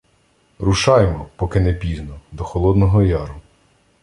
— Рушаймо, поки не пізно, до Холодного Яру.